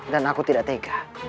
dan aku tidak tega